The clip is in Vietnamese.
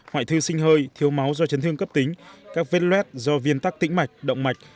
hoại thư sinh hơi thiếu máu do chấn thương cấp tính các vết luet do viên tắc tĩnh mạch động mạch